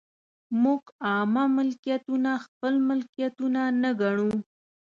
موږ عامه ملکیتونه خپل ملکیتونه نه ګڼو.